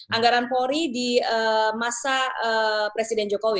anggaran polri di masa presiden jokowi